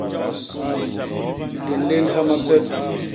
Di nléndha mapep.